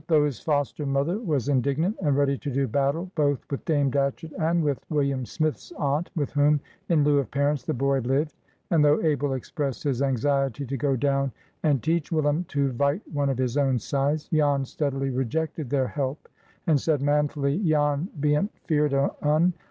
Though his foster mother was indignant, and ready to do battle both with Dame Datchett and with William Smith's aunt (with whom, in lieu of parents, the boy lived), and though Abel expressed his anxiety to go down and "teach Willum to vight one of his own zize," Jan steadily rejected their help, and said manfully, "Jan bean't feared of un.